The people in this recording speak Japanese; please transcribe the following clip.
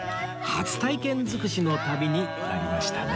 初体験尽くしの旅になりましたね